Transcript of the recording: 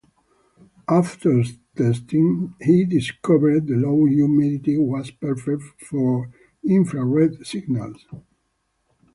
After testing, he discovered the low humidity was perfect for infrared signals.